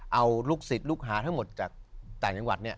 เอาลูกศิษย์ลูกหาทั้งหมดจากต่างจังหวัด